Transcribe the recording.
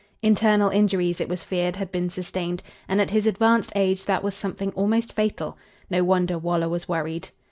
Internal injuries, it was feared, had been sustained, and at his advanced age that was something almost fatal. No wonder Waller was worried.